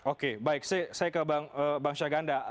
oke baik saya ke bang syaganda